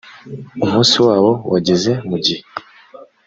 umunsi wabo wageze mu gihe